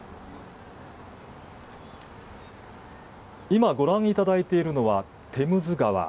今、ご覧いただいているのはテムズ川。